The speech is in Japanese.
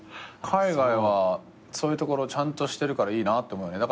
海外はそういうところちゃんとしてるからいいなって思う。